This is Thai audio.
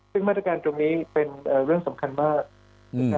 ซึ่งมาตรการตรงนี้เป็นเรื่องสำคัญมากนะครับ